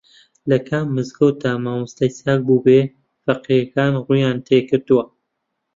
لە کام مزگەوتدا مامۆستای چاک بووبێ فەقێکان ڕوویان تێکردووە